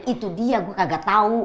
itu dia gue kagak tahu